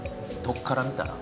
どっから見たら？